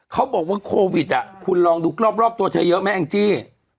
เขาบอกว่าโควิดคุณลองดูรอบตัวเธอเยอะไหมแองจี้